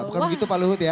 bukan begitu pak luhut ya